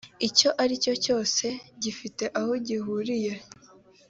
icyo ari cyo cyose gifite aho gihuriye